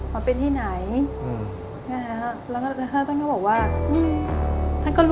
มันเป็นที่ไหน